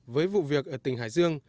với vụ việc ở tỉnh hải dương